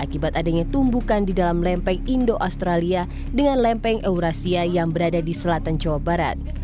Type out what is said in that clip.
akibat adanya tumbukan di dalam lempeng indo australia dengan lempeng aurasia yang berada di selatan jawa barat